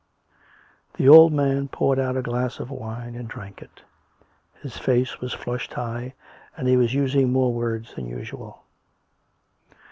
The old man poured out a glass of wine and drank it. His face was flushed high, and he was using more words than usual.